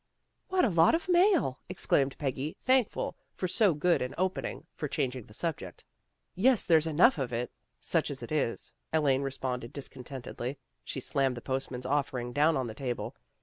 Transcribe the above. ' What a lot of mail! " exclaimed Peggy, thankful for so good an opening for changing the subject. " Yes, there's enough of it, such as it is," Elaine responded discontentedly. She slammed the postman's offering down on the table.